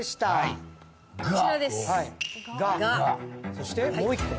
そしてもう一個。